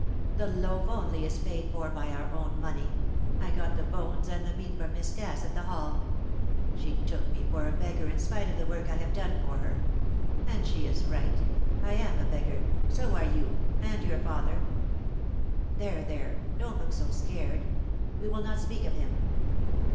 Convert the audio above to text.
"The loaf only is paid for by our own money. I got the bones and the meat from Miss Cass at the Hall. She took me for a beggar in spite of the work I have done for her. And she is right, I am a beggar so are you and your father There, there! Don't look so scared. We will not speak of him."